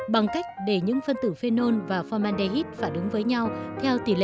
bằng cách để những phân tử phenol và formaldehyde phản ứng với nhau theo tỉ lệ một một